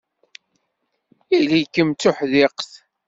Ili-kem d tuḥdiqt.